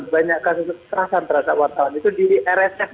banyak kasus kekerasan terhadap wartawan